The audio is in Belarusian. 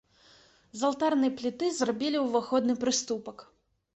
З алтарнай пліты зрабілі ўваходны прыступак.